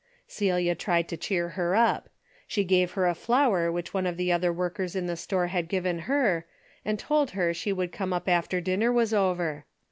Celia tried^"^o cheer her up. She gave her a flower which one of the other workers in the store had given her, and told her she would come up after din ner was over.